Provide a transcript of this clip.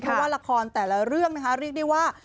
เพราะว่าละครแต่ละเรื่องนะคะเรียกได้ว่า